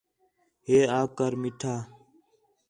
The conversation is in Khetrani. ہے آکھ کر میٹھا